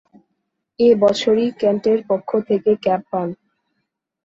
এ বছরই কেন্টের পক্ষ থেকে ক্যাপ পান।